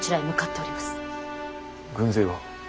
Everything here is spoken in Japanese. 軍勢は？